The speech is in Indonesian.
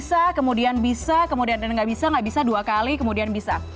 bisa kemudian bisa kemudian nggak bisa nggak bisa dua kali kemudian bisa